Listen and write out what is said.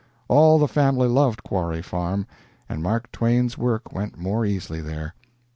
All the family loved Quarry Farm, and Mark Twain's work went more easily there.